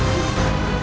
aku akan menang